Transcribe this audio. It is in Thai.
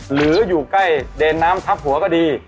หรืออยู่ใกล้เดนน้ำทับหัวก็ดี